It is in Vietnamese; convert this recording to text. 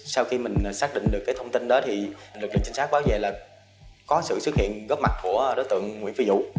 sau khi mình xác định được cái thông tin đó thì lực lượng trinh sát báo về là có sự xuất hiện góp mặt của đối tượng nguyễn phi vũ